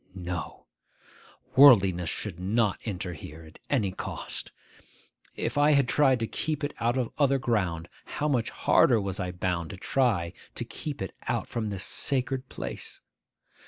No! Worldliness should not enter here at any cost. If I had tried to keep it out of other ground, how much harder was I bound to try to keep it out from this sacred place!